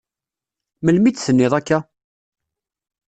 Melmi i d-tenniḍ akka?